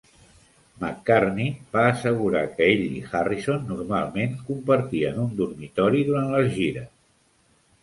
McCartney va assegurar que ell i Harrison normalment compartien un dormitori durant les gires.